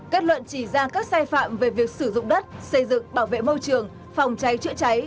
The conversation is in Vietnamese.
kết luận chỉ ra các sai phạm về việc sử dụng đất xây dựng bảo vệ môi trường phòng cháy chữa cháy